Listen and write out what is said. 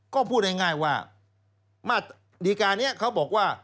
ก็พูดง่ายว่ามาตรดีการนี้เขาบอกว่า